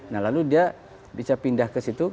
nah lalu dia bisa pindah ke situ